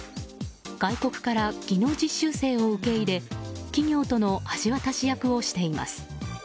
外国から技能実習生を受け入れ企業との橋渡し役をしています。